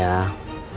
sabar neng ya